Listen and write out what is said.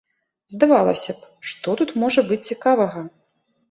Здавалася б, што тут можа быць цікавага?